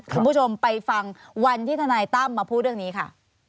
คุณผู้ชมไปฟังวันที่ทนายตั้มมาพูดเรื่องนี้ค่ะ